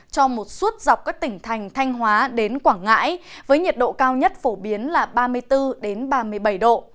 cho một suốt dọc các tỉnh thành thanh hóa đến quảng ngãi với nhiệt độ cao nhất phổ biến là ba mươi bốn ba mươi bảy độ